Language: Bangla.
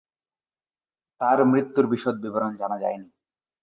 তার মৃত্যুর বিশদ বিবরণ জানা যায়নি।